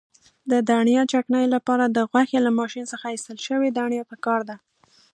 د دڼیا چکنۍ لپاره د غوښې له ماشین څخه ایستل شوې دڼیا پکار ده.